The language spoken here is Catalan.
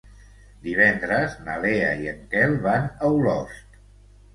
Divendres na Lea i en Quel van a Olost.